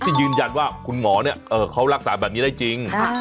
ยืนยันว่าคุณหมอเนี่ยเขารักษาแบบนี้ได้จริง